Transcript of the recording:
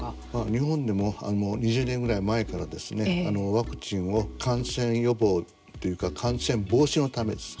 日本でも２０年ぐらい前からワクチンを感染予防というか感染防止のためです